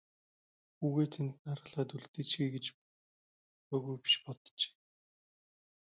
Хүүгээ тэнд нь аргалаад үлдээчихье гэж бодоогүй биш боджээ.